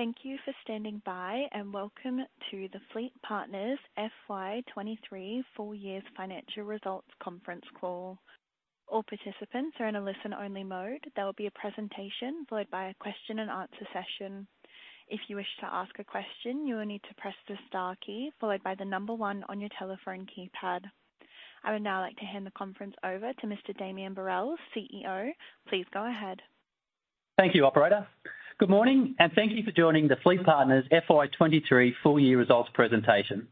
Thank you for standing by, and welcome to the FleetPartners FY 23 full year’s financial results conference call. All participants are in a listen-only mode. There will be a presentation, followed by a question and answer session. If you wish to ask a question, you will need to press the star key followed by the number one on your telephone keypad. I would now like to hand the conference over to Mr. Damien Berrell, CEO. Please go ahead. Thank you, operator. Good morning, and thank you for joining the FleetPartners FY23 full year results presentation.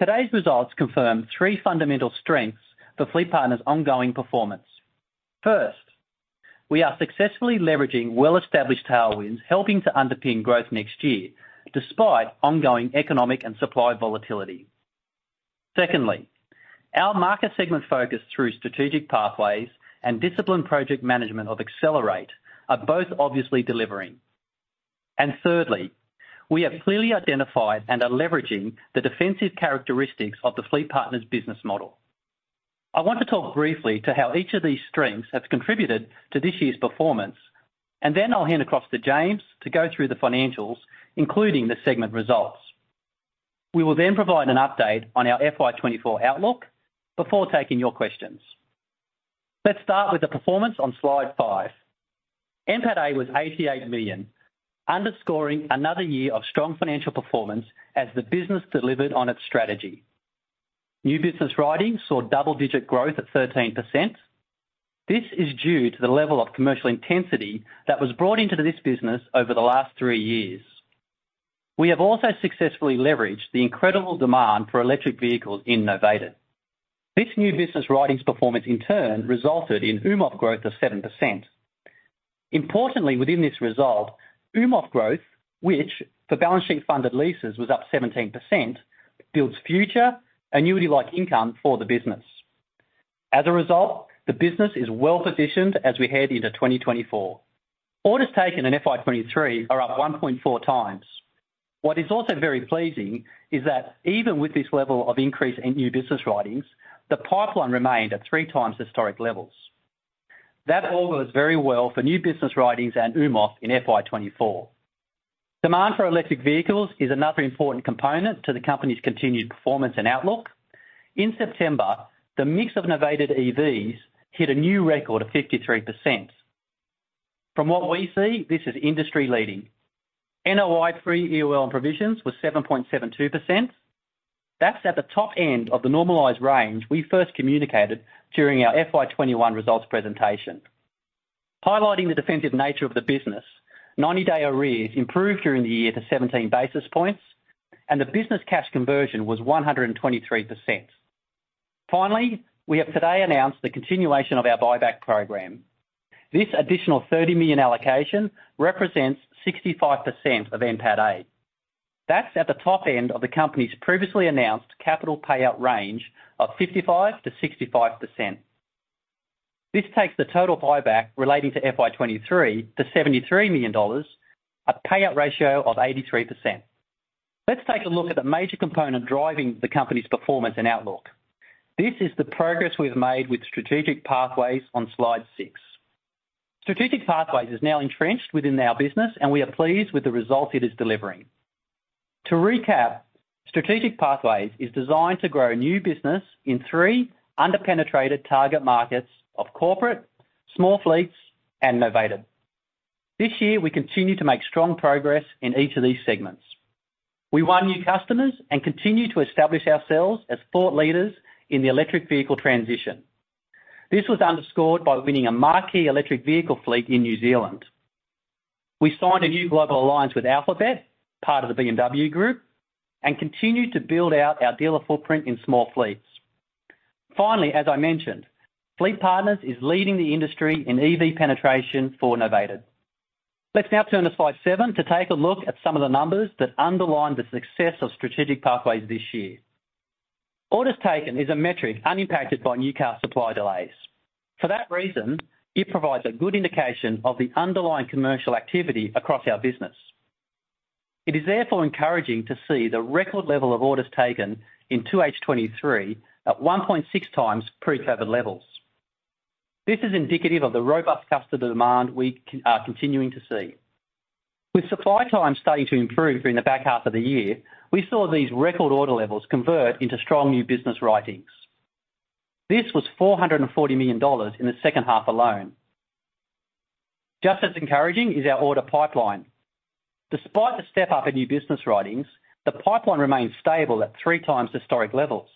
Today's results confirm three fundamental strengths for FleetPartners' ongoing performance. First, we are successfully leveraging well-established tailwinds, helping to underpin growth next year, despite ongoing economic and supply volatility. Secondly, our Market Segment focus through Strategic Pathways and disciplined Project Management of Accelerate are both obviously delivering. And thirdly, we have clearly identified and are leveraging the defensive characteristics of the FleetPartners business model. I want to talk briefly to how each of these strengths has contributed to this year's performance, and then I'll hand across to James to go through the financials, including the segment results. We will then provide an update on our FY24 outlook before taking your questions. Let's start with the performance on slide 5. NPATA was 88 million, underscoring another year of strong financial performance as the business delivered on its strategy. New business writings saw double-digit growth at 13%. This is due to the level of commercial intensity that was brought into this business over the last three years. We have also successfully leveraged the incredible demand for electric vehicles in Novated. This new business writings performance, in turn, resulted in AUMOF growth of 7%. Importantly, within this result, AUMOF growth, which, for balance sheet funded leases, was up 17%, builds future annuity-like income for the business. As a result, the business is well positioned as we head into 2024. Orders taken in FY 2023 are up 1.4 times. What is also very pleasing is that even with this level of increase in new business writings, the pipeline remained at three times historic levels. That bodes very well for new business writings and UMOF in FY 2024. Demand for electric vehicles is another important component to the company's continued performance and outlook. In September, the mix of Novated EVs hit a new record of 53%. From what we see, this is industry-leading. NOI pre- EOL and provisions was 7.72%. That's at the top end of the normalized range we first communicated during our FY 2021 results presentation. Highlighting the defensive nature of the business, ninety-day arrears improved during the year to 17 basis points, and the business cash conversion was 123%. Finally, we have today announced the continuation of our Buyback Program. This additional 30 million allocation represents 65% of NPATA. That's at the top end of the company's previously announced capital payout range of 55%-65%. This takes the total Buyback relating to FY 2023 to AUD 73 million, a payout ratio of 83%. Let's take a look at the major component driving the company's performance and outlook. This is the progress we've made with Strategic Pathways on Slide six. Strategic Pathways is now entrenched within our business, and we are pleased with the result it is delivering. To recap, Strategic Pathways is designed to grow new business in three underpenetrated target markets of corporate, small fleets, and novated. This year, we continue to make strong progress in each of these segments. We won new customers and continued to establish ourselves as thought leaders in the electric vehicle transition. This was underscored by winning a marquee electric vehicle fleet in New Zealand. We signed a new global alliance with Alphabet, part of the BMW Group, and continued to build out our dealer footprint in small fleets. Finally, as I mentioned, FleetPartners is leading the industry in EV penetration for novated. Let's now turn to slide seven to take a look at some of the numbers that underline the success of Strategic Pathways this year. Orders taken is a metric unimpacted by new car supply delays. For that reason, it provides a good indication of the underlying commercial activity across our business. It is therefore encouraging to see the record level of orders taken in 2H 2023 at 1.6 times pre-COVID levels. This is indicative of the robust customer demand we are continuing to see. With supply times starting to improve in the back half of the year, we saw these record order levels convert into strong new business writings. This was 440 million dollars in the second half alone. Just as encouraging is our order pipeline. Despite the step up in new business writings, the pipeline remains stable at three times historic levels.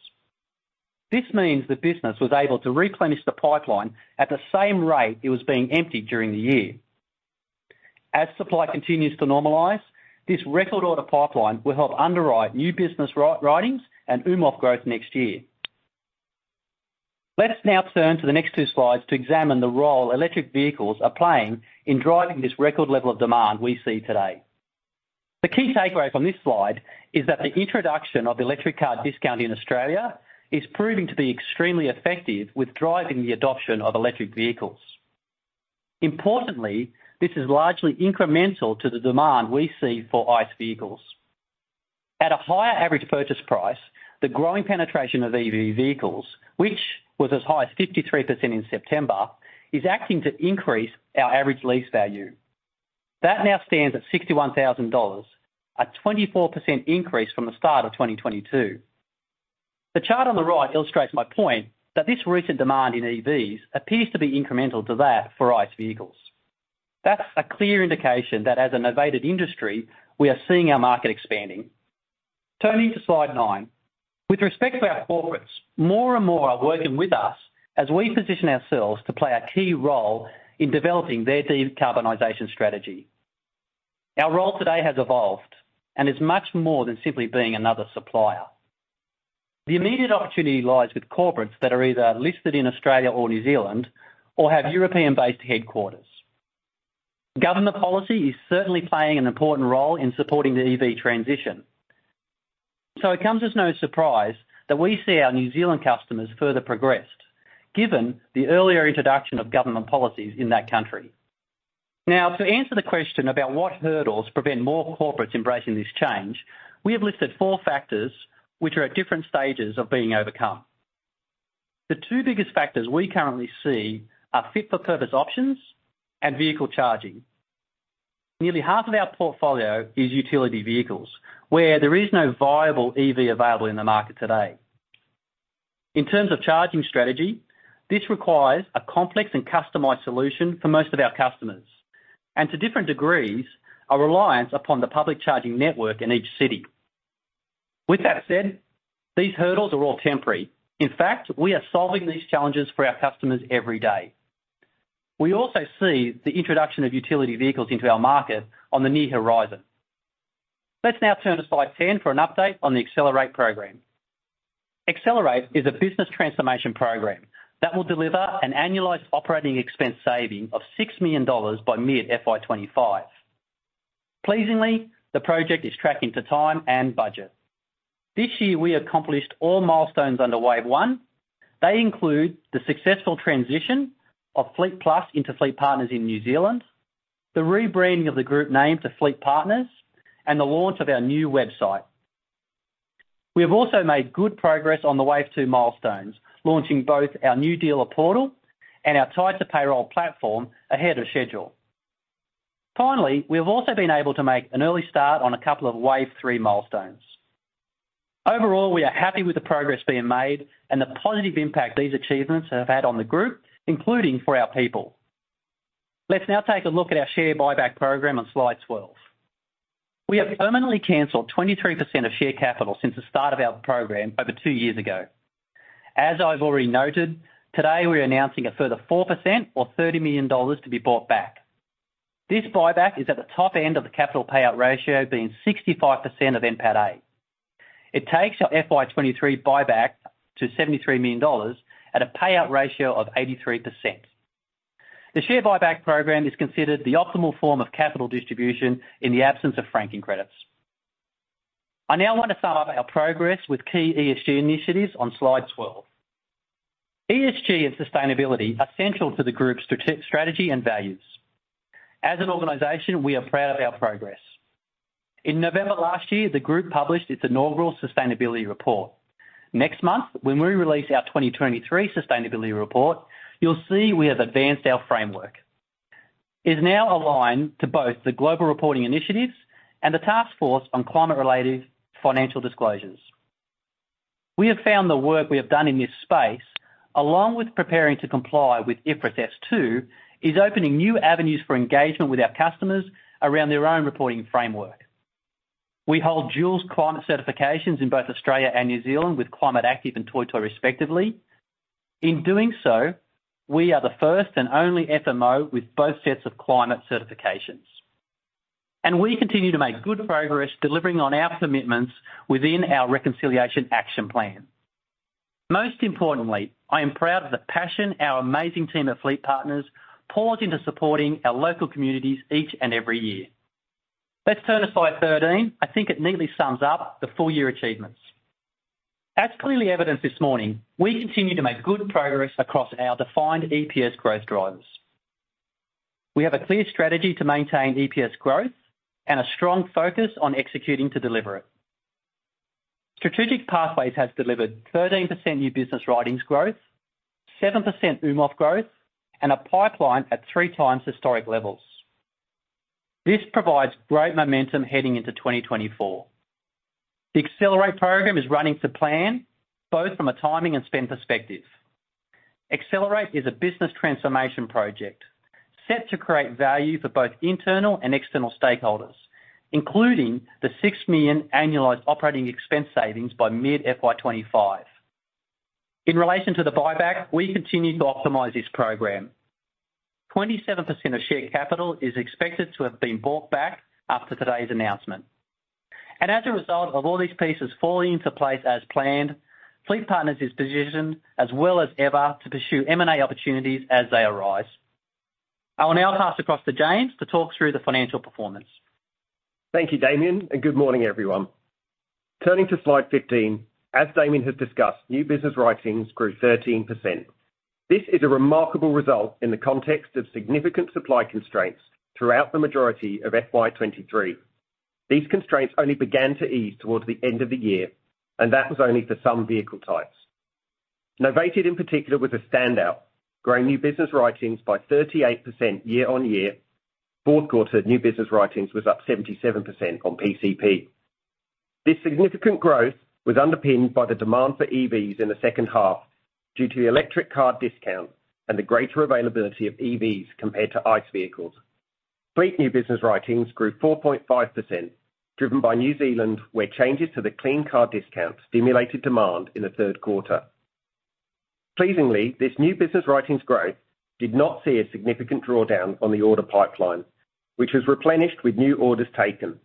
This means the business was able to replenish the pipeline at the same rate it was being emptied during the year. As supply continues to normalize, this record order pipeline will help underwrite new business writings and UMOF growth next year. Let us now turn to the next two slides to examine the role electric vehicles are playing in driving this record level of demand we see today. The key takeaway from this slide is that the introduction of the Electric Car Discount in Australia is proving to be extremely effective with driving the adoption of electric vehicles. Importantly, this is largely incremental to the demand we see for ICE vehicles. At a higher average purchase price, the growing penetration of EV vehicles, which was as high as 53% in September, is acting to increase our average lease value. That now stands at 61,000 dollars, a 24% increase from the start of 2022. The chart on the right illustrates my point that this recent demand in EVs appears to be incremental to that for ICE vehicles. That's a clear indication that as an EV-led industry, we are seeing our market expanding. Turning to slide nine. With respect to our corporates, more and more are working with us as we position ourselves to play a key role in developing their decarbonization strategy. Our role today has evolved and is much more than simply being another supplier. The immediate opportunity lies with corporates that are either listed in Australia or New Zealand, or have European-based headquarters. Government policy is certainly playing an important role in supporting the EV transition, so it comes as no surprise that we see our New Zealand customers further progressed, given the earlier introduction of government policies in that country. Now, to answer the question about what hurdles prevent more corporates embracing this change, we have listed four factors which are at different stages of being overcome. The two biggest factors we currently see are fit-for-purpose options and vehicle charging. Nearly half of our portfolio is utility vehicles, where there is no viable EV available in the market today. In terms of charging strategy, this requires a complex and customized solution for most of our customers, and to different degrees, a reliance upon the public charging network in each city. With that said, these hurdles are all temporary. In fact, we are solving these challenges for our customers every day. We also see the introduction of utility vehicles into our market on the near horizon. Let's now turn to slide 10 for an update on the Accelerate program. Accelerate is a business transformation program that will deliver an annualized operating expense saving of 6 million dollars by mid-FY25. Pleasingly, the project is tracking to time and budget. This year, we accomplished all milestones under wave one. They include the successful transition of FleetPlus into FleetPartners in New Zealand, the rebranding of the group name to FleetPartners, and the launch of our new website. We have also made good progress on the wave 2 milestones, launching both our new dealer portal and our Tied to Payroll platform ahead of schedule. Finally, we have also been able to make an early start on a couple of wave 3 milestones. Overall, we are happy with the progress being made and the positive impact these achievements have had on the group, including for our people. Let's now take a look at our share buyback program on slide 12. We have permanently canceled 23% of share capital since the start of our program over two years ago. As I've already noted, today, we're announcing a further 4% or 30 million dollars to be bought back. This buyback is at the top end of the capital payout ratio, being 65% of NPATA. It takes our FY 2023 buyback to 73 million dollars at a payout ratio of 83%. The share buyback program is considered the optimal form of capital distribution in the absence of franking credits. I now want to sum up our progress with key ESG initiatives on slide 12. ESG and sustainability are central to the group's strategy and values. As an organization, we are proud of our progress. In November last year, the group published its inaugural sustainability report. Next month, when we release our 2023 sustainability report, you'll see we have advanced our framework. It is now aligned to both the Global Reporting Initiatives and the Task Force on Climate-related Financial Disclosures. We have found the work we have done in this space, along with preparing to comply with IFRS S2, is opening new avenues for engagement with our customers around their own reporting framework. We hold dual climate certifications in both Australia and New Zealand with Climate Active and Toitū, respectively. In doing so, we are the first and only FMO with both sets of climate certifications, and we continue to make good progress delivering on our commitments within our Reconciliation Action Plan. Most importantly, I am proud of the passion our amazing team of FleetPartners pours into supporting our local communities each and every year. Let's turn to slide 13. I think it neatly sums up the full-year achievements. As clearly evidenced this morning, we continue to make good progress across our defined EPS growth drivers. We have a clear strategy to maintain EPS growth and a strong focus on executing to deliver it. Strategic Pathways has delivered 13% new business writings growth, 7% UMOF growth, and a pipeline at three times historic levels. This provides great momentum heading into 2024. The Accelerate program is running to plan, both from a timing and spend perspective. Accelerate is a business transformation project set to create value for both internal and external stakeholders, including the 6 million annualized operating expense savings by mid-FY25. In relation to the buyback, we continue to optimize this program. 27% of share capital is expected to have been bought back after today's announcement. And as a result of all these pieces falling into place as planned, FleetPartners is positioned as well as ever to pursue M&A opportunities as they arise. I will now pass across to James to talk through the financial performance. Thank you, Damien, and good morning, everyone. Turning to slide 15, as Damien has discussed, new business writings grew 13%.... This is a remarkable result in the context of significant supply constraints throughout the majority of FY 2023. These constraints only began to ease towards the end of the year, and that was only for some vehicle types. Novated in particular, was a standout, growing new business writings by 38% year-on-year. Fourth quarter, new business writings was up 77% on PCP. This significant growth was underpinned by the demand for EVs in the second half, due to the Electric Car Discount and the greater availability of EVs compared to ICE vehicles. Fleet new business writings grew 4.5%, driven by New Zealand, where changes to the Clean Car Discount stimulated demand in the third quarter. Pleasingly, this new business writings growth did not see a significant drawdown on the order pipeline, which was replenished with new orders taken.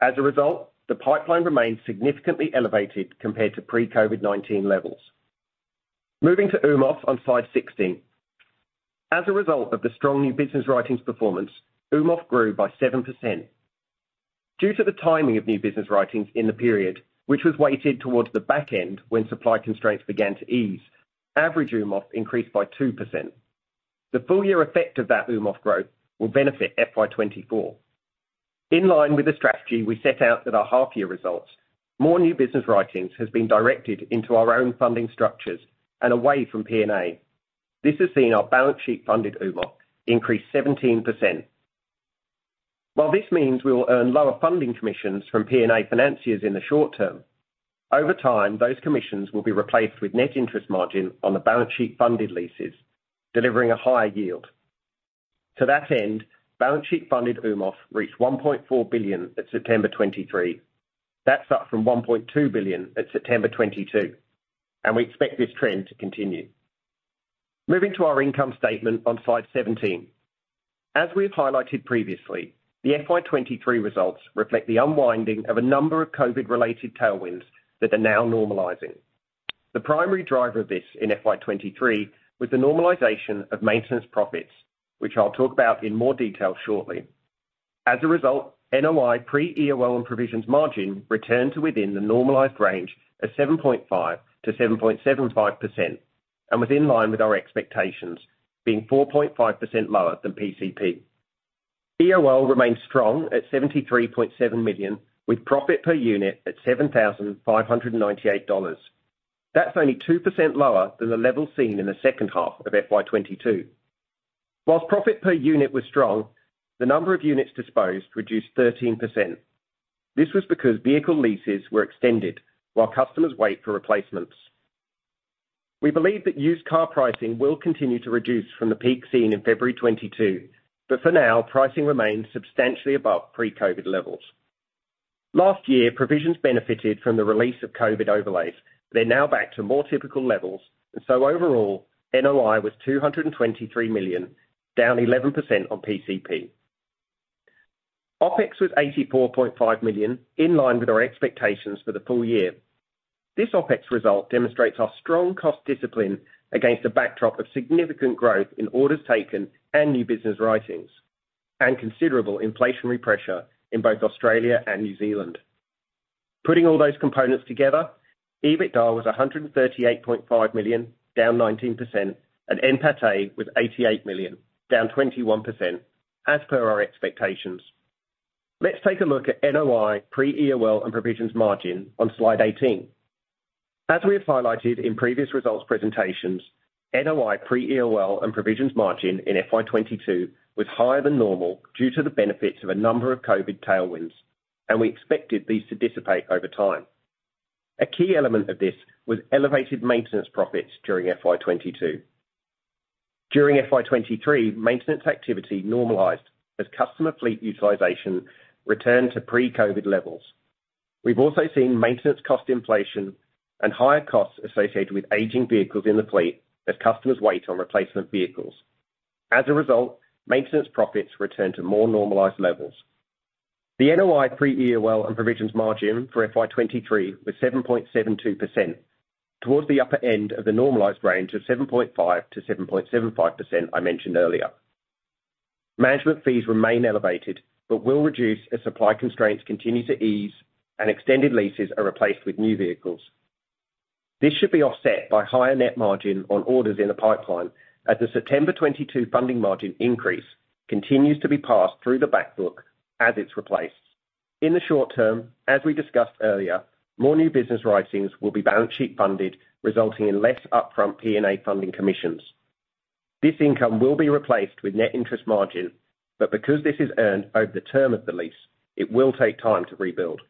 As a result, the pipeline remains significantly elevated compared to pre-COVID-19 levels. Moving to UMOF on slide 16. As a result of the strong new business writings performance, UMOF grew by 7%. Due to the timing of new business writings in the period, which was weighted towards the back end when supply constraints began to ease, average UMOF increased by 2%. The full year effect of that UMOF growth will benefit FY24. In line with the strategy we set out at our half year results, more new business writings has been directed into our own funding structures and away from P&A. This has seen our balance sheet funded UMOF increase 17%. While this means we will earn lower funding commissions from PNA financiers in the short term, over time, those commissions will be replaced with net interest margin on the balance sheet funded leases, delivering a higher yield. To that end, balance sheet funded UMOF reached 1.4 billion at September 2023. That's up from 1.2 billion at September 2022, and we expect this trend to continue. Moving to our income statement on slide 17. As we've highlighted previously, the FY 2023 results reflect the unwinding of a number of COVID-related tailwinds that are now normalizing. The primary driver of this in FY 2023 was the normalization of maintenance profits, which I'll talk about in more detail shortly. As a result, NOI pre-EOL and provisions margin returned to within the normalized range of 7.5%-7.75%, and was in line with our expectations, being 4.5% lower than PCP. EOL remains strong at 73.7 million, with profit per unit at 7,598 dollars. That's only 2% lower than the level seen in the second half of FY 2022. Whilst profit per unit was strong, the number of units disposed reduced 13%. This was because vehicle leases were extended while customers wait for replacements. We believe that used car pricing will continue to reduce from the peak seen in February 2022, but for now, pricing remains substantially above pre-COVID levels. Last year, provisions benefited from the release of COVID overlays. They're now back to more typical levels, and so overall, NOI was 223 million, down 11% on PCP. OpEx was 84.5 million, in line with our expectations for the full year. This OpEx result demonstrates our strong cost discipline against a backdrop of significant growth in orders taken and new business writings, and considerable inflationary pressure in both Australia and New Zealand. Putting all those components together, EBITDA was 138.5 million, down 19%, and NPATA was 88 million, down 21%, as per our expectations. Let's take a look at NOI pre-EOL and provisions margin on slide 18. As we have highlighted in previous results presentations, NOI pre-EOL and provisions margin in FY 22 was higher than normal due to the benefits of a number of COVID tailwinds, and we expected these to dissipate over time. A key element of this was elevated maintenance profits during FY 2022. During FY 2023, maintenance activity normalized as customer fleet utilization returned to pre-COVID levels. We've also seen maintenance cost inflation and higher costs associated with aging vehicles in the fleet as customers wait on replacement vehicles. As a result, maintenance profits return to more normalized levels. The NOI pre-EOL and provisions margin for FY 2023 was 7.72%, towards the upper end of the normalized range of 7.5%-7.75% I mentioned earlier. Management fees remain elevated, but will reduce as supply constraints continue to ease and extended leases are replaced with new vehicles. This should be offset by higher net margin on orders in the pipeline, as the September 2022 funding margin increase continues to be passed through the back book as it's replaced. In the short term, as we discussed earlier, more new business writings will be balance sheet funded, resulting in less upfront PNA funding commissions. This income will be replaced with net interest margin, but because this is earned over the term of the lease, it will take time to rebuild.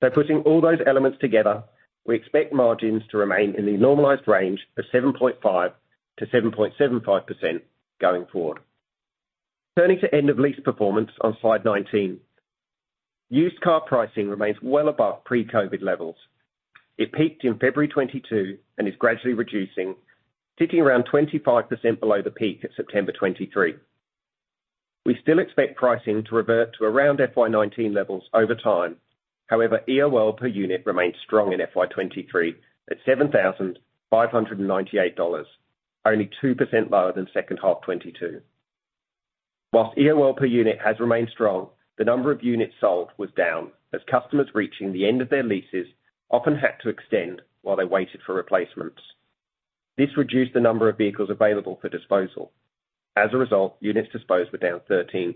By putting all those elements together, we expect margins to remain in the normalized range of 7.5%-7.75% going forward. Turning to end of lease performance on slide 19. Used car pricing remains well above pre-COVID levels. It peaked in February 2022 and is gradually reducing, ticking around 25% below the peak at September 2023. We still expect pricing to revert to around FY 2019 levels over time. However, EOL per unit remains strong in FY 2023 at 7,598 dollars, only 2% lower than second half 2022. While EOL per unit has remained strong, the number of units sold was down, as customers reaching the end of their leases often had to extend while they waited for replacements. This reduced the number of vehicles available for disposal. As a result, units disposed were down 13%.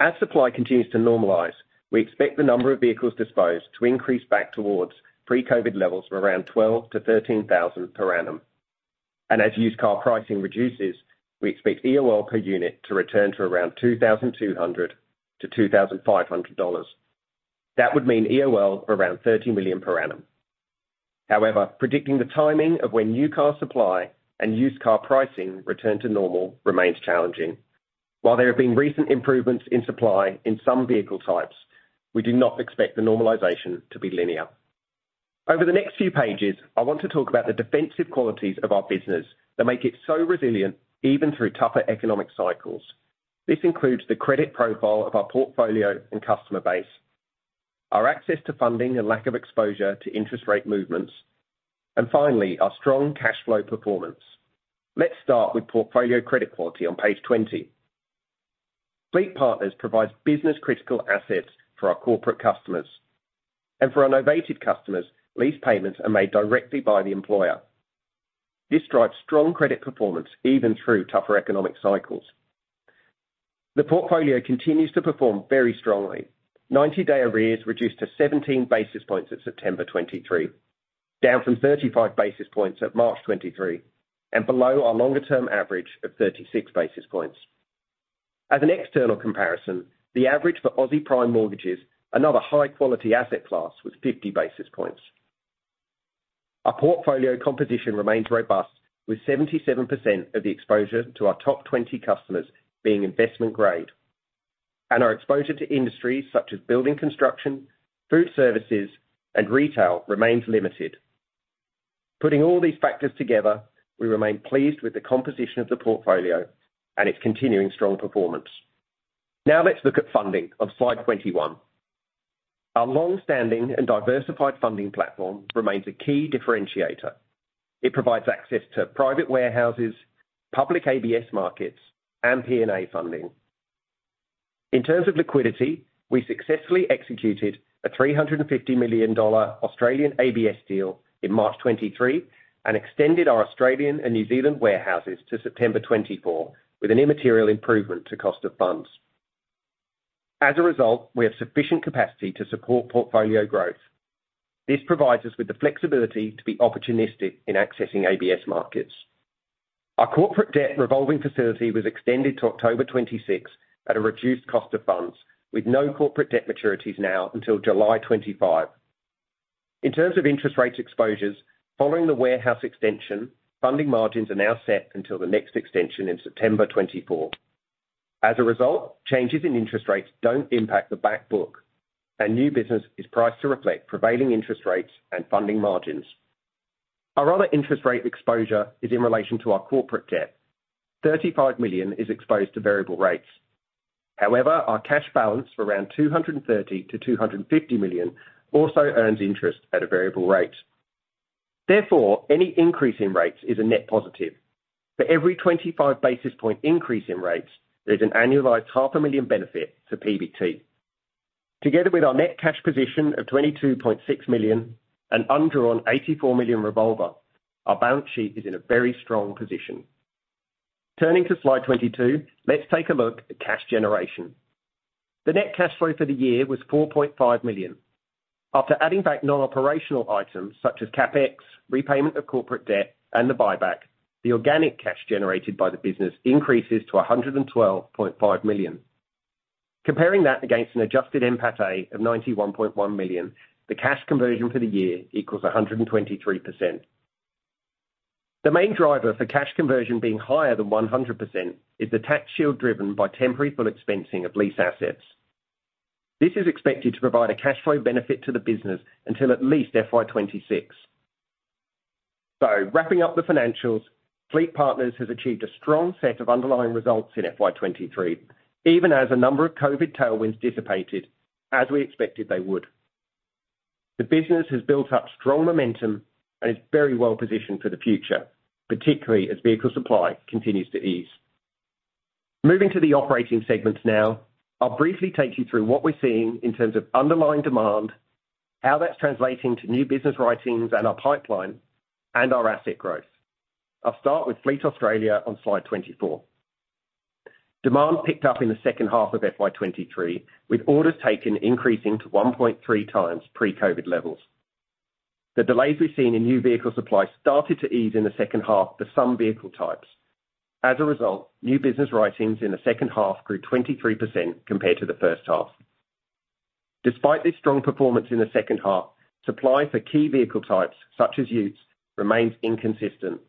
As supply continues to normalize, we expect the number of vehicles disposed to increase back towards pre-COVID levels of around 12,000-13,000 per annum. As used car pricing reduces, we expect EOL per unit to return to around 2,200-2,500 dollars. That would mean EOL of around 30 million per annum. However, predicting the timing of when new car supply and used car pricing return to normal remains challenging. While there have been recent improvements in supply in some vehicle types, we do not expect the normalization to be linear. Over the next few pages, I want to talk about the defensive qualities of our business that make it so resilient even through tougher economic cycles. This includes the credit profile of our portfolio and customer base, our access to funding and lack of exposure to interest rate movements, and finally, our strong cash flow performance. Let's start with portfolio credit quality on page 20. FleetPartners provides business-critical assets for our corporate customers, and for our novated customers, lease payments are made directly by the employer. This drives strong credit performance even through tougher economic cycles. The portfolio continues to perform very strongly. 90-day arrears reduced to 17 basis points at September 2023, down from 35 basis points at March 2023, and below our longer-term average of 36 basis points. As an external comparison, the average for Aussie Prime Mortgages, another high-quality asset class, was 50 basis points. Our portfolio composition remains robust, with 77% of the exposure to our top 20 customers being investment grade. Our exposure to industries such as building construction, food services, and retail remains limited. Putting all these factors together, we remain pleased with the composition of the portfolio and its continuing strong performance. Now, let's look at funding on slide 21. Our long-standing and diversified funding platform remains a key differentiator. It provides access to private warehouses, public ABS markets, and PNA funding. In terms of liquidity, we successfully executed an 350 million Australian dollars Australian ABS deal in March 2023, and extended our Australian and New Zealand warehouses to September 2024, with an immaterial improvement to cost of funds. As a result, we have sufficient capacity to support portfolio growth. This provides us with the flexibility to be opportunistic in accessing ABS markets. Our corporate debt revolving facility was extended to October 2026 at a reduced cost of funds, with no corporate debt maturities now until July 2025. In terms of interest rates exposures, following the warehouse extension, funding margins are now set until the next extension in September 2024. As a result, changes in interest rates don't impact the back book, and new business is priced to reflect prevailing interest rates and funding margins. Our other interest rate exposure is in relation to our corporate debt. 35 million is exposed to variable rates. However, our cash balance of around 230 million-250 million also earns interest at a variable rate. Therefore, any increase in rates is a net positive. For every 25 basis point increase in rates, there's an annualized 500,000 benefit to PBT. Together with our net cash position of 22.6 million and undrawn 84 million revolver, our balance sheet is in a very strong position. Turning to slide 22, let's take a look at cash generation. The net cash flow for the year was 4.5 million. After adding back non-operational items such as CapEx, repayment of corporate debt, and the buyback, the organic cash generated by the business increases to 112.5 million. Comparing that against an adjusted NPAT of 91.1 million, the cash conversion for the year equals 123%. The main driver for cash conversion being higher than 100% is the tax shield driven by temporary full expensing of lease assets. This is expected to provide a cash flow benefit to the business until at least FY 2026. So wrapping up the financials, FleetPartners has achieved a strong set of underlying results in FY 2023, even as a number of COVID tailwinds dissipated, as we expected they would. The business has built up strong momentum and is very well positioned for the future, particularly as vehicle supply continues to ease. Moving to the operating segments now, I'll briefly take you through what we're seeing in terms of underlying demand, how that's translating to new business writings in our pipeline, and our asset growth. I'll start with Fleet Australia on slide 24. Demand picked up in the second half of FY 2023, with orders taken increasing to 1.3 times pre-COVID levels. The delays we've seen in new vehicle supply started to ease in the second half for some vehicle types. As a result, new business writings in the second half grew 23% compared to the first half. Despite this strong performance in the second half, supply for key vehicle types, such as utes, remains inconsistent.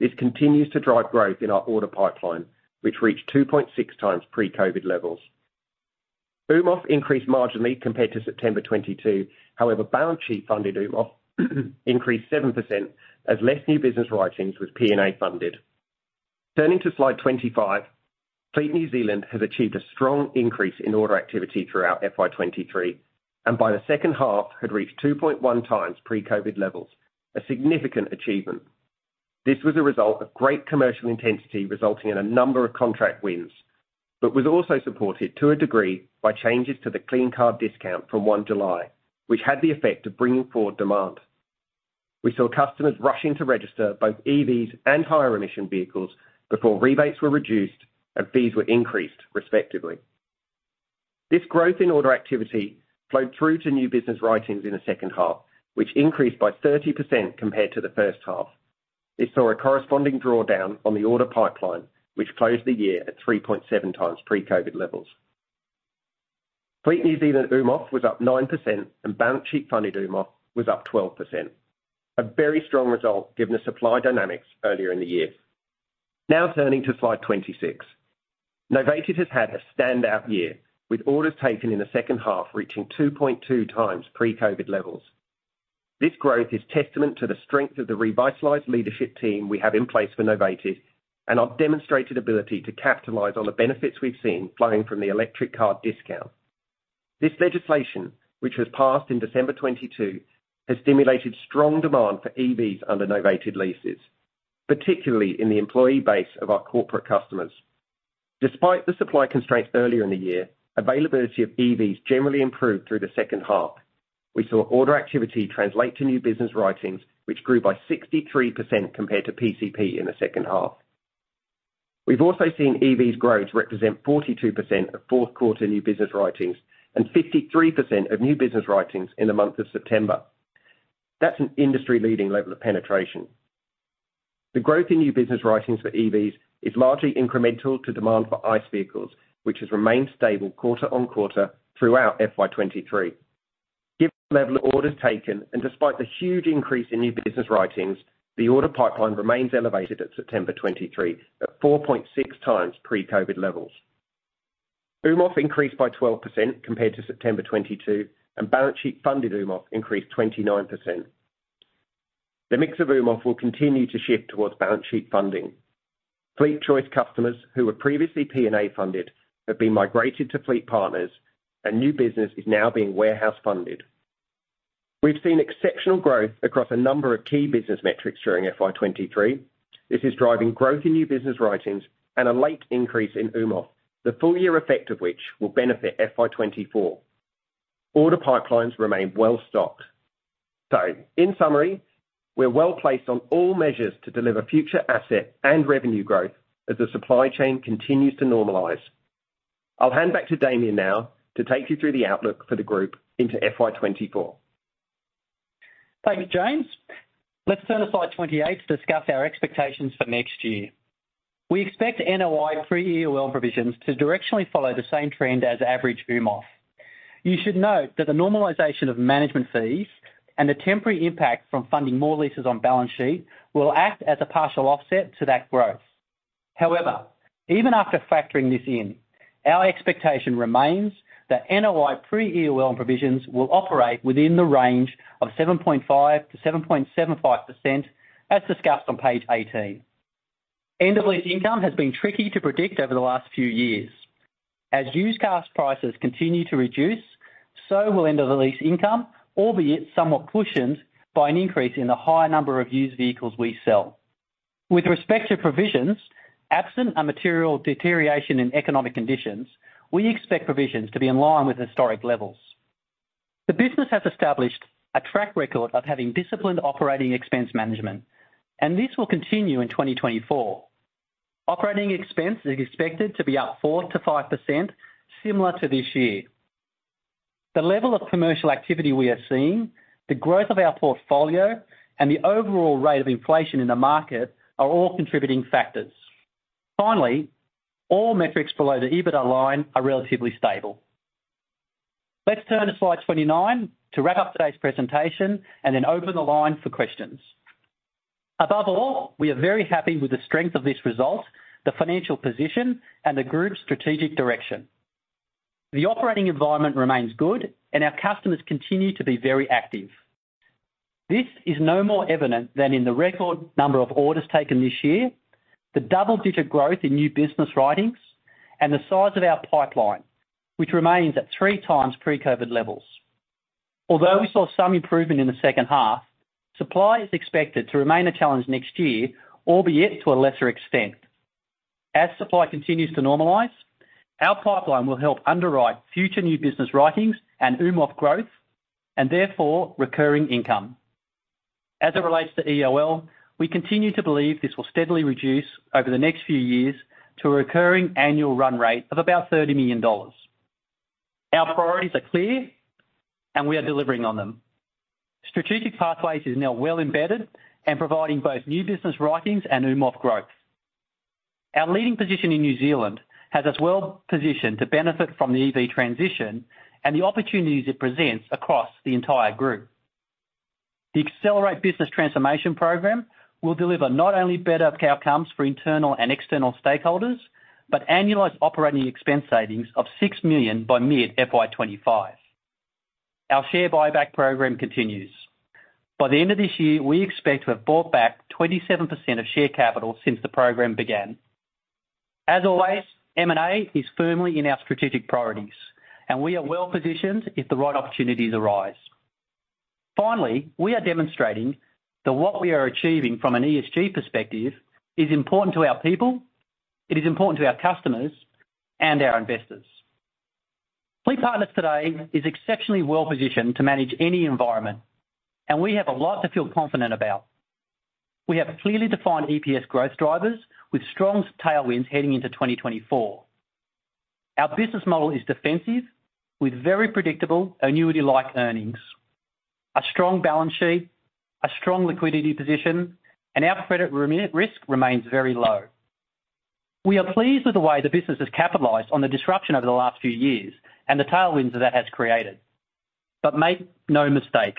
This continues to drive growth in our order pipeline, which reached 2.6 times pre-COVID levels. UMOF increased marginally compared to September 2022. However, balance sheet funded UMOF increased 7% as less new business writings was PNA funded. Turning to slide 25, Fleet New Zealand has achieved a strong increase in order activity throughout FY 2023.... By the second half, had reached 2.1 times pre-COVID levels, a significant achievement. This was a result of great commercial intensity, resulting in a number of contract wins, but was also supported to a degree by changes to the Clean Car Discount from 1 July, which had the effect of bringing forward demand. We saw customers rushing to register both EVs and higher emission vehicles before rebates were reduced and fees were increased, respectively. This growth in order activity flowed through to new business writings in the second half, which increased by 30% compared to the first half. This saw a corresponding drawdown on the order pipeline, which closed the year at 3.7 times pre-COVID levels. Fleet New Zealand UMOF was up 9%, and balance sheet funded UMOF was up 12%. A very strong result, given the supply dynamics earlier in the year. Now turning to slide 26. Novated has had a standout year, with orders taken in the second half, reaching 2.2 times pre-COVID levels. This growth is testament to the strength of the revitalized leadership team we have in place for Novated, and our demonstrated ability to capitalize on the benefits we've seen flowing from the Electric Car Discount. This legislation, which was passed in December 2022, has stimulated strong demand for EVs under novated leases, particularly in the employee base of our corporate customers. Despite the supply constraints earlier in the year, availability of EVs generally improved through the second half. We saw order activity translate to new business writings, which grew by 63% compared to PCP in the second half. We've also seen EVs growth represent 42% of fourth quarter new business writings, and 53% of new business writings in the month of September. That's an industry-leading level of penetration. The growth in new business writings for EVs is largely incremental to demand for ICE vehicles, which has remained stable quarter-on-quarter throughout FY 2023. Given the level of orders taken, and despite the huge increase in new business writings, the order pipeline remains elevated at September 2023, at 4.6 times pre-COVID levels. UMOF increased by 12% compared to September 2022, and balance sheet funded UMOF increased 29%. The mix of UMOF will continue to shift towards balance sheet funding. FleetChoice customers who were previously PNA-funded have been migrated to FleetPartners, and new business is now being warehouse-funded. We've seen exceptional growth across a number of key business metrics during FY 2023. This is driving growth in new business writings and a late increase in UMOF, the full year effect of which will benefit FY 2024. Order pipelines remain well stocked. In summary, we're well placed on all measures to deliver future asset and revenue growth as the supply chain continues to normalize. I'll hand back to Damien now to take you through the outlook for the group into FY 2024. Thank you, James. Let's turn to slide 28 to discuss our expectations for next year. We expect NOI pre-EOL provisions to directionally follow the same trend as average UMOF. You should note that the normalization of management fees and the temporary impact from funding more leases on balance sheet will act as a partial offset to that growth. However, even after factoring this in, our expectation remains that NOI pre-EOL provisions will operate within the range of 7.5%-7.75%, as discussed on page 18. End of lease income has been tricky to predict over the last few years. As used car prices continue to reduce, so will end of the lease income, albeit somewhat cushioned by an increase in the high number of used vehicles we sell. With respect to provisions, absent a material deterioration in economic conditions, we expect provisions to be in line with historic levels. The business has established a track record of having disciplined operating expense management, and this will continue in 2024. Operating expense is expected to be up 4%-5%, similar to this year. The level of commercial activity we are seeing, the growth of our portfolio, and the overall rate of inflation in the market are all contributing factors. Finally, all metrics below the EBITDA line are relatively stable. Let's turn to slide 29 to wrap up today's presentation, and then open the line for questions. Above all, we are very happy with the strength of this result, the financial position, and the group's strategic direction. The operating environment remains good, and our customers continue to be very active. This is no more evident than in the record number of orders taken this year, the double-digit growth in new business writings, and the size of our pipeline, which remains at three times pre-COVID levels. Although we saw some improvement in the second half, supply is expected to remain a challenge next year, albeit to a lesser extent. As supply continues to normalize, our pipeline will help underwrite future new business writings and UMOF growth, and therefore recurring income. As it relates to EOL, we continue to believe this will steadily reduce over the next few years to a recurring annual run rate of about 30 million dollars. Our priorities are clear, and we are delivering on them. Strategic Pathways is now well embedded and providing both new business writings and UMOF growth. Our leading position in New Zealand has us well positioned to benefit from the EV transition and the opportunities it presents across the entire group. The Accelerate Business Transformation program will deliver not only better outcomes for internal and external stakeholders, but annualized operating expense savings of 6 million by mid-FY25. Our share buyback program continues. By the end of this year, we expect to have bought back 27% of share capital since the program began. As always, M&A is firmly in our strategic priorities, and we are well positioned if the right opportunities arise. Finally, we are demonstrating that what we are achieving from an ESG perspective is important to our people, it is important to our customers and our investors. FleetPartners today is exceptionally well-positioned to manage any environment, and we have a lot to feel confident about. We have clearly defined EPS growth drivers with strong tailwinds heading into 2024. Our business model is defensive, with very predictable annuity-like earnings, a strong balance sheet, a strong liquidity position, and our credit risk remains very low. We are pleased with the way the business has capitalized on the disruption over the last few years and the tailwinds that that has created. But make no mistake,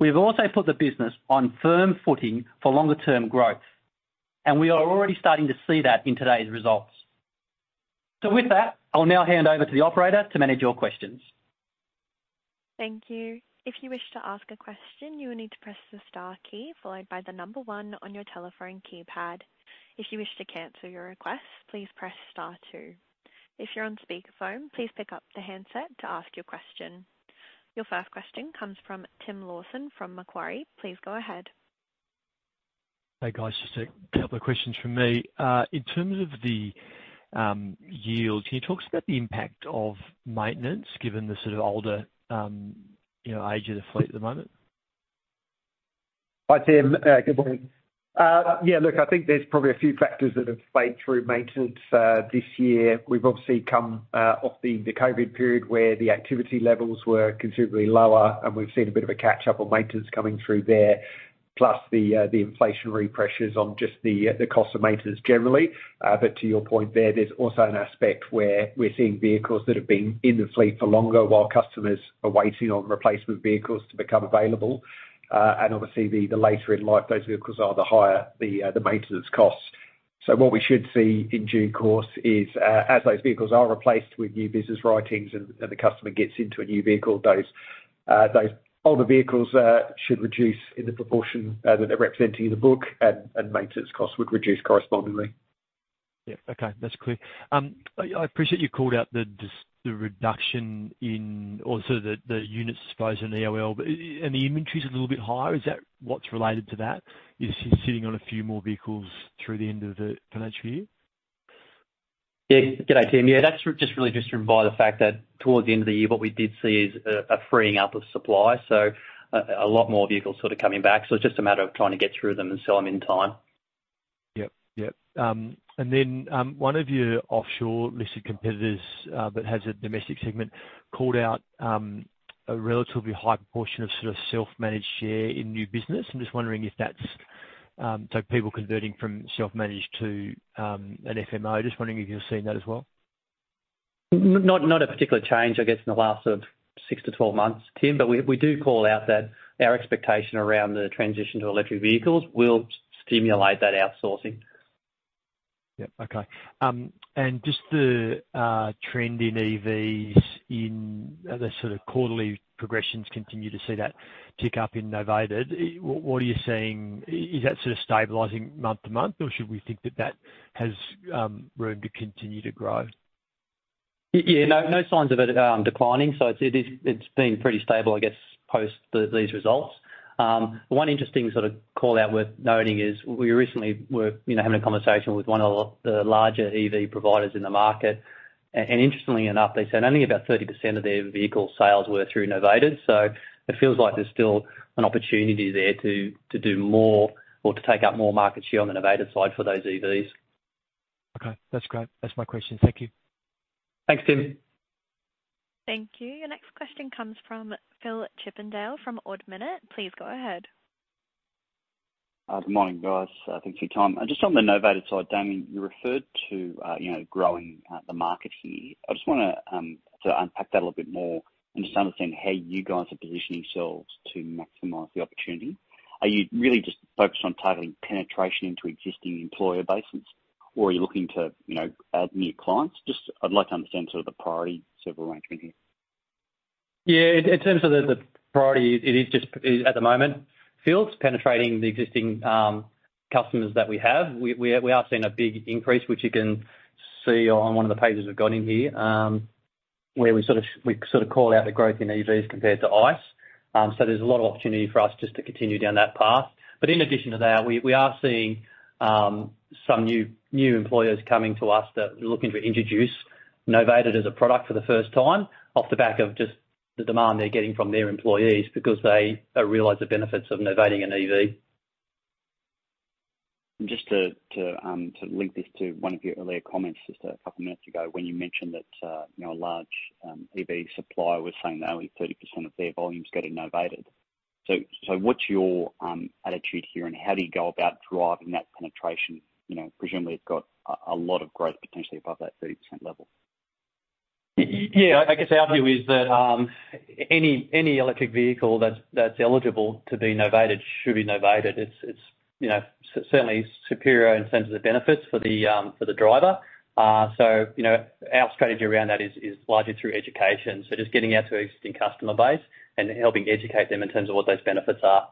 we've also put the business on firm footing for longer term growth, and we are already starting to see that in today's results. So with that, I'll now hand over to the operator to manage your questions. Thank you. If you wish to ask a question, you will need to press the star key followed by the number one on your telephone keypad. If you wish to cancel your request, please press star two. If you're on speakerphone, please pick up the handset to ask your question. Your first question comes from Tim Lawson from Macquarie. Please go ahead. Hey, guys, just a couple of questions from me. In terms of the yield, can you talk us about the impact of maintenance, given the sort of older, you know, age of the fleet at the moment? Hi, Tim. Good morning. Yeah, look, I think there's probably a few factors that have played through maintenance this year. We've obviously come off the COVID period, where the activity levels were considerably lower, and we've seen a bit of a catch-up on maintenance coming through there, plus the inflationary pressures on just the cost of maintenance generally. But to your point there, there's also an aspect where we're seeing vehicles that have been in the fleet for longer while customers are waiting on replacement vehicles to become available. And obviously, the later in life those vehicles are, the higher the maintenance costs. So what we should see in due course is, as those vehicles are replaced with new business writings and, and the customer gets into a new vehicle, those, those older vehicles, should reduce in the proportion that they're representing in the book, and, and maintenance costs would reduce correspondingly. Yeah. Okay, that's clear. I appreciate you called out the reduction in the units, I suppose, in EOL, but the inventory is a little bit higher. Is that what's related to that? You're sitting on a few more vehicles through the end of the financial year? Yeah. G'day, Tim. Yeah, that's just really just driven by the fact that towards the end of the year, what we did see is a freeing up of supply, so a lot more vehicles sort of coming back. So it's just a matter of trying to get through them and sell them in time. Yep. Yep. And then, one of your offshore-listed competitors that has a domestic segment called out a relatively high proportion of sort of self-managed share in new business. I'm just wondering if that's so people converting from self-managed to an FMO. Just wondering if you're seeing that as well. Not a particular change, I guess, in the last 6-12 months, Tim, but we do call out that our expectation around the transition to electric vehicles will stimulate that outsourcing. Yep. Okay. And just the trend in EVs in the sort of quarterly progressions, continue to see that tick up in novated. What are you seeing? Is that sort of stabilizing month to month, or should we think that that has room to continue to grow? Yeah, no, no signs of it declining. So it is, it's been pretty stable, I guess, post these results. One interesting sort of call-out worth noting is we recently were, you know, having a conversation with one of the larger EV providers in the market, and interestingly enough, they said only about 30% of their vehicle sales were through novated. So it feels like there's still an opportunity there to do more or to take up more market share on the novated side for those EVs. Okay, that's great. That's my question. Thank you. Thanks, Tim. Thank you. Your next question comes from Phillip Chippindale from Ord Minnett. Please go ahead. Good morning, guys. Thanks for your time. And just on the novated side, Damien, you referred to, you know, growing the market here. I just wanna to unpack that a little bit more and just understand how you guys are positioning yourselves to maximize the opportunity. Are you really just focused on targeting penetration into existing employer bases, or are you looking to, you know, add new clients? Just I'd like to understand sort of the priority sort of arrangement here. Yeah, in terms of the priority, it is just at the moment, Phillip, it's penetrating the existing customers that we have. We are seeing a big increase, which you can see on one of the pages we've got in here, where we sort of call out the growth in EVs compared to ICE. So there's a lot of opportunity for us just to continue down that path. But in addition to that, we are seeing some new employers coming to us that are looking to introduce novated as a product for the first time, off the back of just the demand they're getting from their employees because they realize the benefits of novating an EV. Just to link this to one of your earlier comments, just a couple of minutes ago, when you mentioned that, you know, a large EV supplier was saying that only 30% of their volume is getting novated. So what's your attitude here, and how do you go about driving that penetration? You know, presumably, you've got a lot of growth potentially above that 30% level. Yeah, I guess our view is that any electric vehicle that's eligible to be novated should be novated. It's you know certainly superior in terms of the benefits for the driver. So you know our strategy around that is largely through education. So just getting out to our existing customer base and helping educate them in terms of what those benefits are....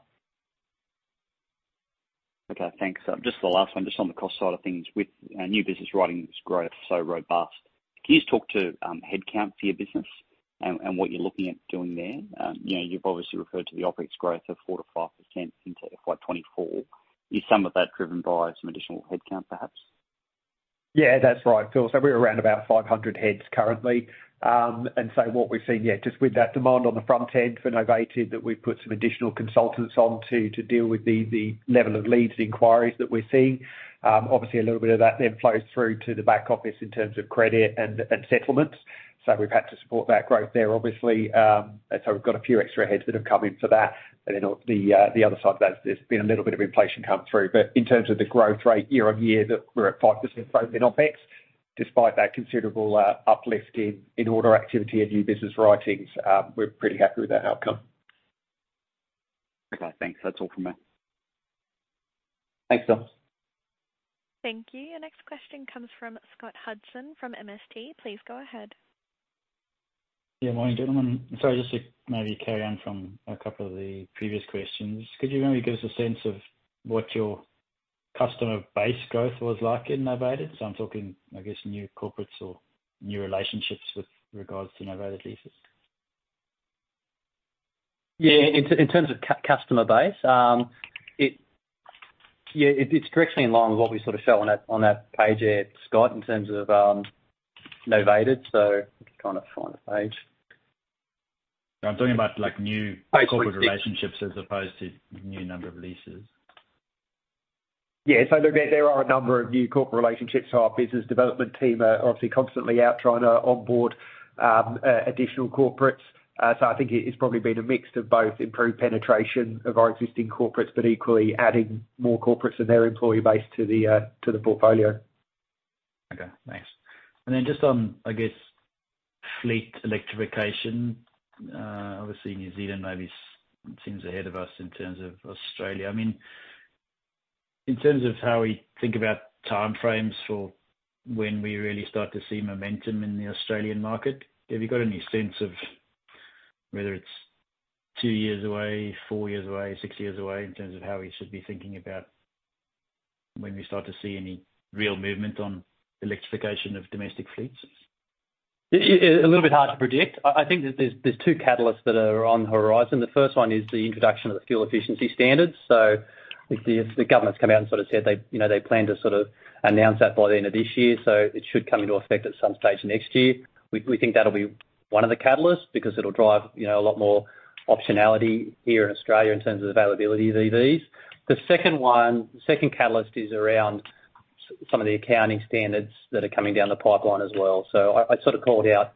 Okay, thanks. Just the last one, just on the cost side of things, with new business writings growth so robust, can you just talk to headcount for your business and what you're looking at doing there? You know, you've obviously referred to the OpEx growth of 4%-5% into FY 2024. Is some of that driven by some additional headcount, perhaps? Yeah, that's right, Philip. So we're around about 500 heads currently. And so what we've seen, yeah, just with that demand on the front end for Novated, that we've put some additional consultants on to, to deal with the, the level of leads and inquiries that we're seeing. Obviously, a little bit of that then flows through to the back office in terms of credit and, and settlements. So we've had to support that growth there, obviously. And so we've got a few extra heads that have come in for that. And then on the, the other side to that, there's been a little bit of inflation come through. But in terms of the growth rate year-on-year, that we're at 5% growth in OpEx, despite that considerable uplift in order activity and new business writings, we're pretty happy with that outcome. Okay, thanks. That's all from me. Thanks, Phillip. Thank you. Your next question comes from Scott Hudson from MST. Please go ahead. Yeah, morning, gentlemen. Sorry, just to maybe carry on from a couple of the previous questions, could you maybe give us a sense of what your customer base growth was like in novated? So I'm talking, I guess, new corporates or new relationships with regards to novated leases. Yeah, in terms of customer base, yeah, it's directly in line with what we sort of showed on that, on that page there, Scott, in terms of novated. So let me kind of find the page. I'm talking about, like, new corporate relationships as opposed to new number of leases. Yeah, so look, there are a number of new corporate relationships. So our business development team are obviously constantly out trying to onboard additional corporates. So I think it's probably been a mix of both improved penetration of our existing corporates, but equally adding more corporates and their employee base to the portfolio. Okay, thanks. And then just on, I guess, fleet electrification, obviously, New Zealand maybe seems ahead of us in terms of Australia. I mean, in terms of how we think about timeframes for when we really start to see momentum in the Australian market, have you got any sense of whether it's two years away, four years away, six years away, in terms of how we should be thinking about when we start to see any real movement on electrification of domestic fleets? It's a little bit hard to predict. I think that there's two catalysts that are on the horizon. The first one is the introduction of the fuel efficiency standards. So if the government's come out and sort of said they, you know, they plan to sort of announce that by the end of this year, so it should come into effect at some stage next year. We think that'll be one of the catalysts, because it'll drive, you know, a lot more optionality here in Australia in terms of availability of EVs. The second one, the second catalyst, is around some of the accounting standards that are coming down the pipeline as well. So I sort of called out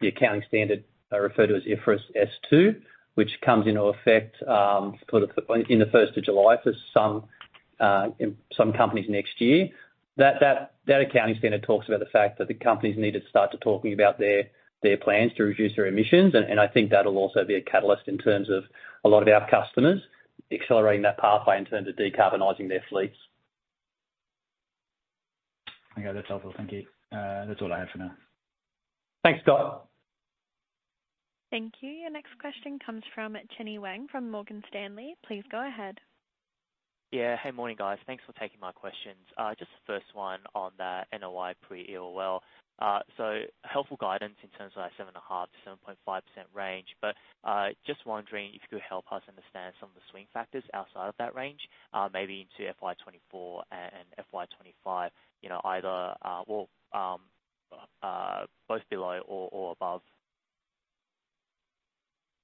the accounting standard referred to as IFRS S2, which comes into effect sort of in the first of July for some in some companies next year. That accounting standard talks about the fact that the companies need to start to talking about their plans to reduce their emissions. And I think that'll also be a catalyst in terms of a lot of our customers accelerating that pathway in terms of decarbonizing their fleets. Okay, that's helpful. Thank you. That's all I have for now. Thanks, Scott. Thank you. Your next question comes from Chenny Wang from Morgan Stanley. Please go ahead. Yeah. Hey, morning, guys. Thanks for taking my questions. Just the first one on the NOI pre-EOL. So helpful guidance in terms of our 7.5%-7.5% range, but just wondering if you could help us understand some of the swing factors outside of that range, maybe into FY 2024 and FY 2025, you know, either well both below or above.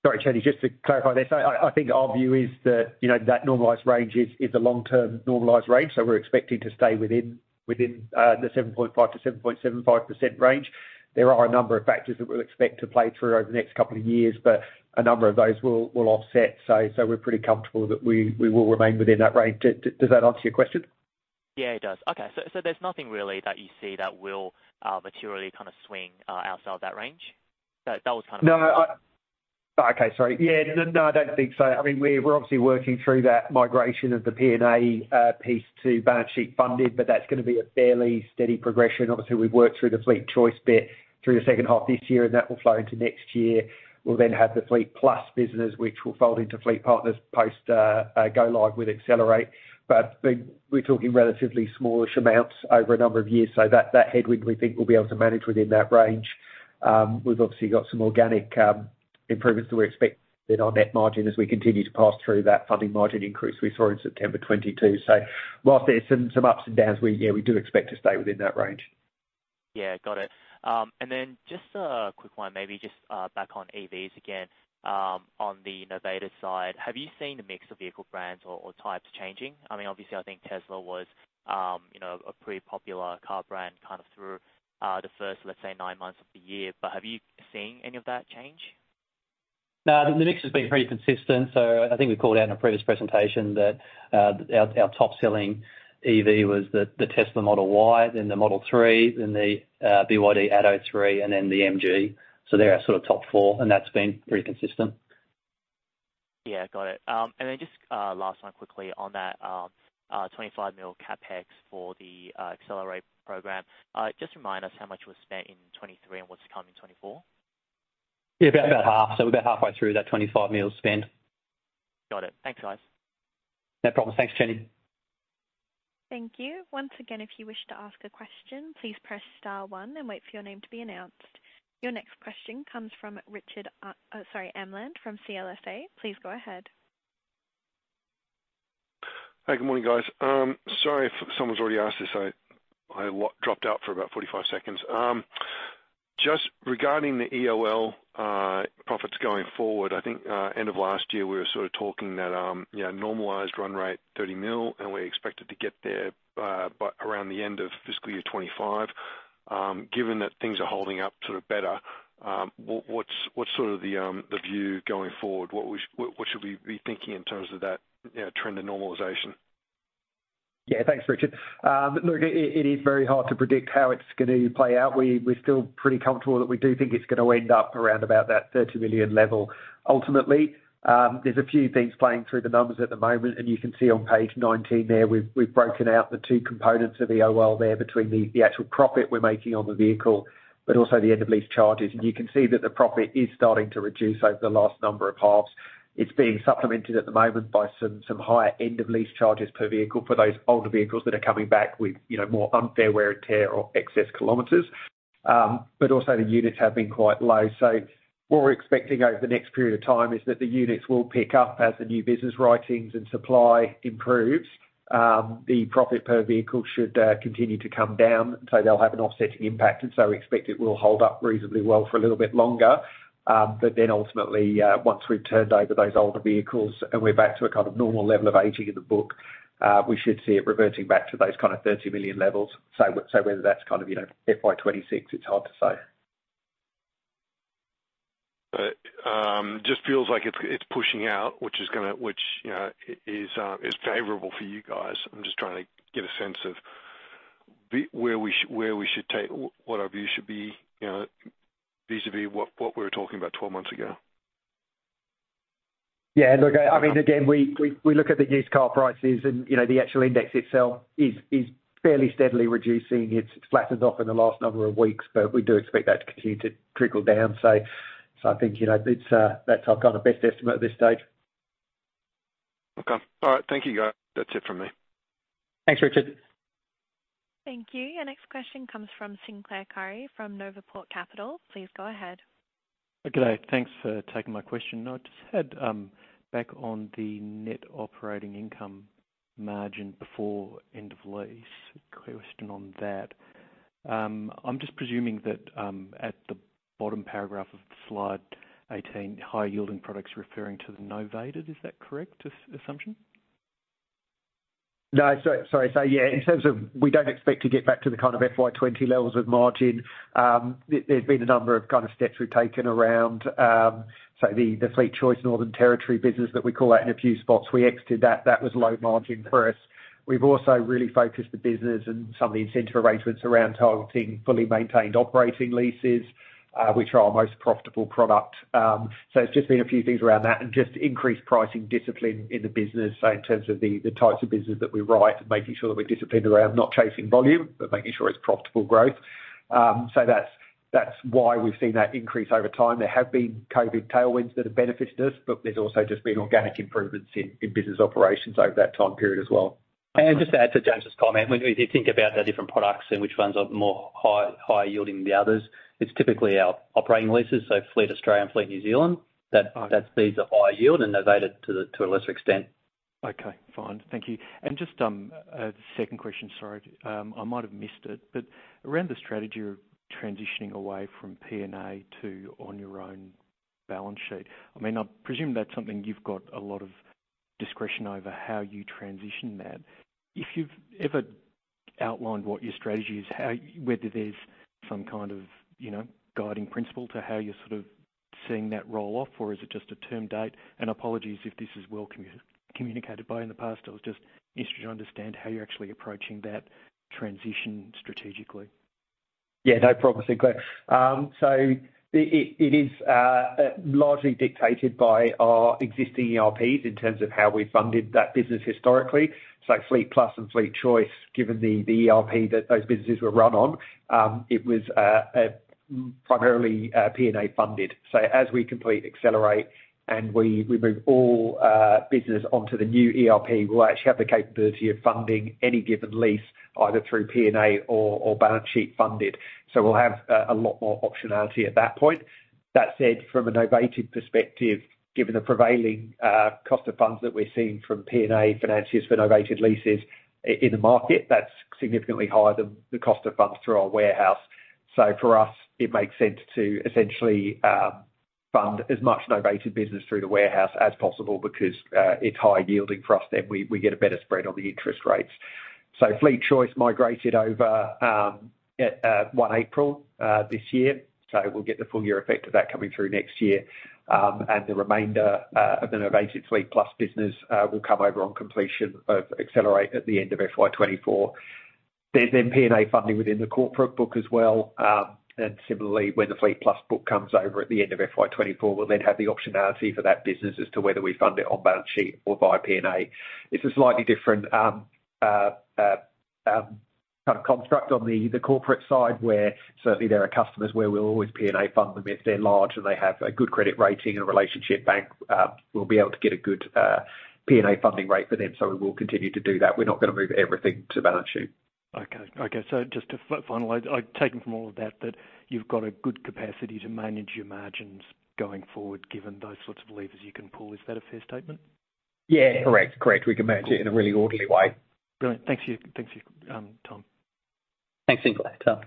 Sorry, Chenny, just to clarify this, I think our view is that, you know, that normalized range is a long-term normalized range, so we're expecting to stay within the 7.5%-7.75% range. There are a number of factors that we'll expect to play through over the next couple of years, but a number of those will offset. So we're pretty comfortable that we will remain within that range. Does that answer your question? Yeah, it does. Okay, so, so there's nothing really that you see that will materially kind of swing outside of that range? So that was kind of- No, I... Okay, sorry. Yeah. No, I don't think so. I mean, we're obviously working through that migration of the PNA piece to balance sheet funding, but that's going to be a fairly steady progression. Obviously, we've worked through the FleetChoice bit through the second half of this year, and that will flow into next year. We'll then have the FleetPlus business, which will fold into FleetPartners post go live with Accelerate. But we're talking relatively smallish amounts over a number of years, so that headwind we think we'll be able to manage within that range. We've obviously got some organic improvements that we expect in our net margin as we continue to pass through that funding margin increase we saw in September 2022. So while there's some ups and downs, we do expect to stay within that range. Yeah, got it. And then just a quick one, maybe just back on EVs again. On the Novated side, have you seen the mix of vehicle brands or, or types changing? I mean, obviously, I think Tesla was, you know, a pretty popular car brand, kind of through the first, let's say, nine months of the year, but have you seen any of that change? No, the mix has been pretty consistent. So I think we called out in a previous presentation that our top-selling EV was the Tesla Model Y, then the Model 3, then the BYD Atto 3, and then the MG. So they're our sort of top four, and that's been pretty consistent. Yeah, got it. And then just last one quickly on that, 25 million CapEx for the Accelerate program. Just remind us how much was spent in 2023 and what's to come in 2024?... Yeah, about, about half. So we're about halfway through that 25 million spend. Got it. Thanks, guys. No problem. Thanks, Chenny. Thank you. Once again, if you wish to ask a question, please press star one and wait for your name to be announced. Your next question comes from Richard, sorry, Amland from CLSA. Please go ahead. Hey, good morning, guys. Sorry if someone's already asked this. I dropped out for about 45 seconds. Just regarding the EOL profits going forward, I think end of last year, we were sort of talking that, you know, normalized run rate, 30 million, and we expected to get there by around the end of fiscal year 2025. Given that things are holding up sort of better, what's the view going forward? What should we be thinking in terms of that, you know, trend and normalization? Yeah, thanks, Richard. Look, it is very hard to predict how it's gonna play out. We're still pretty comfortable that we do think it's gonna end up around about that 30 million level. Ultimately, there's a few things playing through the numbers at the moment, and you can see on page 19 there, we've broken out the two components of EOL there between the actual profit we're making on the vehicle, but also the end of lease charges. And you can see that the profit is starting to reduce over the last number of halves. It's being supplemented at the moment by some higher end of lease charges per vehicle for those older vehicles that are coming back with, you know, more unfair wear and tear or excess kilometers. But also, the units have been quite low. So what we're expecting over the next period of time is that the units will pick up as the new business writings and supply improves. The profit per vehicle should continue to come down, so they'll have an offsetting impact, and so we expect it will hold up reasonably well for a little bit longer. But then ultimately, once we've turned over those older vehicles and we're back to a kind of normal level of aging in the book, we should see it reverting back to those kind of 30 million levels. So, so whether that's kind of, you know, FY 2026, it's hard to say. But, just feels like it's pushing out, which is gonna, which, you know, is favorable for you guys. I'm just trying to get a sense of where we should take what our view should be, you know, vis-a-vis what we were talking about 12 months ago. Yeah, look, I mean, again, we look at the used car prices, and, you know, the actual index itself is fairly steadily reducing. It's flattened off in the last number of weeks, but we do expect that to continue to trickle down. So I think, you know, that's our kind of best estimate at this stage. Okay. All right, thank you, guys. That's it from me. Thanks, Richard. Thank you. Our next question comes from Sinclair Currie from Novaport Capital. Please go ahead. G'day. Thanks for taking my question. I just had back on the net operating income margin before end of lease. A quick question on that. I'm just presuming that at the bottom paragraph of the slide 18, high yielding products referring to the novated, is that correct assumption? No, sorry. So yeah, in terms of, we don't expect to get back to the kind of FY 20 levels of margin. There, there's been a number of kind of steps we've taken around, so the, the FleetChoice Northern Territory business that we call out in a few spots, we exited that. That was low margin for us. We've also really focused the business and some of the incentive arrangements around targeting fully maintained operating leases, which are our most profitable product. So it's just been a few things around that and just increased pricing discipline in the business. So in terms of the, the types of business that we write, making sure that we're disciplined around not chasing volume, but making sure it's profitable growth. So that's, that's why we've seen that increase over time. There have been COVID tailwinds that have benefited us, but there's also just been organic improvements in business operations over that time period as well. Just to add to James's comment, when we do think about the different products and which ones are more high, high yielding than the others, it's typically our operating leases, so Fleet Australia and Fleet New Zealand, that- Okay. That feeds a higher yield, and novated to a lesser extent. Okay, fine. Thank you. And just, the second question, I might have missed it, but around the strategy of transitioning away from PNA to on your own balance sheet, I mean, I presume that's something you've got a lot of discretion over how you transition that. If you've ever outlined what your strategy is, how... Whether there's some kind of, you know, guiding principle to how you're sort of seeing that roll off, or is it just a term date? And apologies if this is well communicated by in the past. I was just interested to understand how you're actually approaching that transition strategically. Yeah, no problem, Sinclair. So it is largely dictated by our existing ERPs in terms of how we funded that business historically. So FleetPlus and FleetChoice, given the ERP that those businesses were run on, it was primarily PNA funded. So as we complete Accelerate and we move all business onto the new ERP, we'll actually have the capability of funding any given lease, either through PNA or balance sheet funded. So we'll have a lot more optionality at that point. That said, from a novated perspective, given the prevailing cost of funds that we're seeing from PNA financiers for novated leases in the market, that's significantly higher than the cost of funds through our warehouse. So for us, it makes sense to essentially fund as much novated business through the warehouse as possible because it's high yielding for us, then we get a better spread on the interest rates. So FleetChoice migrated over at 1 April this year, so we'll get the full year effect of that coming through next year. And the remainder of the novated FleetPlus business will come over on completion of Accelerate at the end of FY 2024. There's then PNA funding within the corporate book as well, and similarly, when the FleetPlus book comes over at the end of FY 2024, we'll then have the optionality for that business as to whether we fund it on balance sheet or by PNA. It's a slightly different.... kind of construct on the corporate side, where certainly there are customers where we'll always PNA fund them if they're large, and they have a good credit rating and a relationship bank, we'll be able to get a good PNA funding rate for them, so we will continue to do that. We're not going to move everything to balance sheet. Okay. Okay, so just to finalize, I've taken from all of that, that you've got a good capacity to manage your margins going forward, given those sorts of levers you can pull. Is that a fair statement? Yeah, correct. Correct. We can manage it- Cool. in a really orderly way. Brilliant. Thank you. Thank you, Tom. Thanks again, Tom.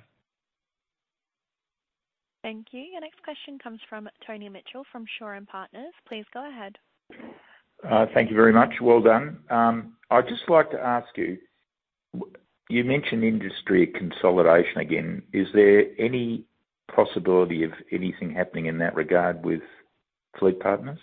Thank you. Our next question comes from Tony Mitchell, from Shaw and Partners. Please go ahead. Thank you very much. Well done. I'd just like to ask you, you mentioned industry consolidation again. Is there any possibility of anything happening in that regard with FleetPartners?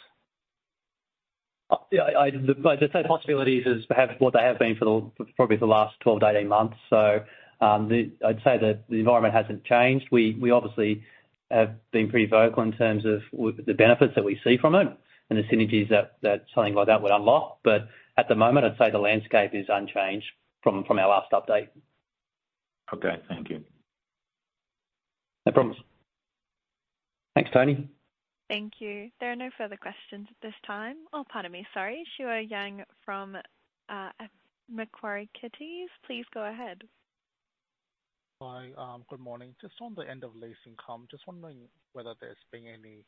Yeah, the same possibilities as perhaps what they have been for, probably for the last 12-18 months. So, I'd say that the environment hasn't changed. We obviously have been pretty vocal in terms of the benefits that we see from it and the synergies that something like that would unlock. But at the moment, I'd say the landscape is unchanged from our last update. Okay, thank you. No problems. Thanks, Tony. Thank you. There are no further questions at this time. Oh, pardon me, sorry. Shuwei Yang from Macquarie Equities, please go ahead. Hi, good morning. Just on the end of lease income, just wondering whether there's been any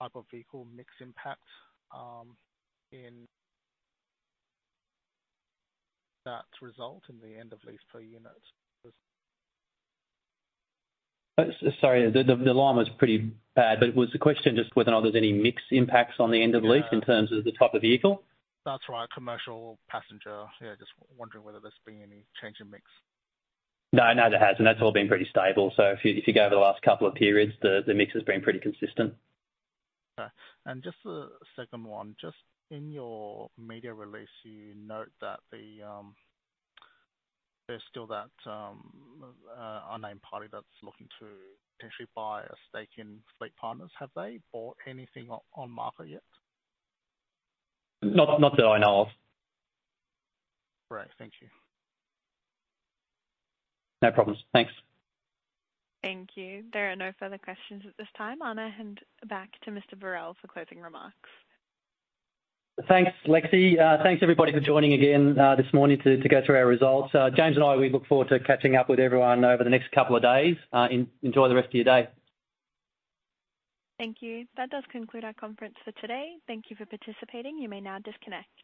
type of vehicle mix impact in that result in the end of lease per unit? Sorry, the line was pretty bad, but was the question just whether or not there's any mix impacts on the end of lease- Yeah. -in terms of the type of vehicle? That's right. Commercial, passenger. Yeah, just wondering whether there's been any change in mix? No, no, there hasn't. That's all been pretty stable. So if you, if you go over the last couple of periods, the, the mix has been pretty consistent. Okay. And just a second one, just in your media release, you note that the, there's still that unnamed party that's looking to potentially buy a stake in FleetPartners. Have they bought anything on, on market yet? Not, not that I know of. Great, thank you. No problems. Thanks. Thank you. There are no further questions at this time. I'm going to hand back to Mr. Berrell for closing remarks. Thanks, Lexi. Thanks everybody for joining again, this morning to go through our results. James and I, we look forward to catching up with everyone over the next couple of days. Enjoy the rest of your day. Thank you. That does conclude our conference for today. Thank you for participating. You may now disconnect.